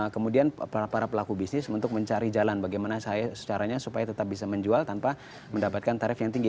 kemudian para pelaku bisnis untuk mencari jalan bagaimana caranya supaya tetap bisa menjual tanpa mendapatkan tarif yang tinggi